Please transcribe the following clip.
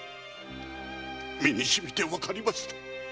身にしみてわかりました。